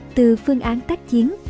từ phương án tác chiến